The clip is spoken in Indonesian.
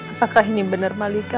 apakah ini benar malika